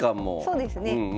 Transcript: そうですね。